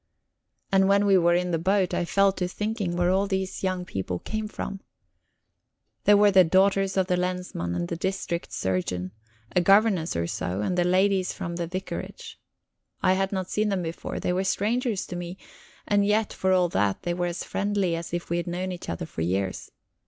And when we were in the boat, I fell to thinking where all these young people came from. There were the daughters of the Lensmand and the district surgeon, a governess or so, and the ladies from the vicarage. I had not seen them before; they were strangers to me; and yet, for all that, they were as friendly as if we had known each other for years.